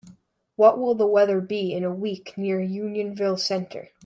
What will the weather be in a week near Unionville Center?